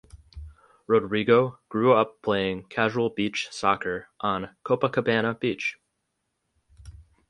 Rodrigo grew up playing casual beach soccer on Copacabana beach.